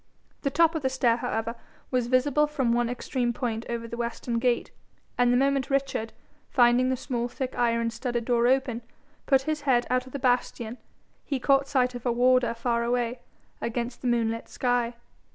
The top of the stair, however, was visible from one extreme point over the western gate, and the moment Richard, finding the small thick iron studded door open, put his head out of the bastion, he caught sight of a warder far away, against the moonlit sky.